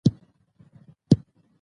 په افغانستان کې یورانیم شتون لري.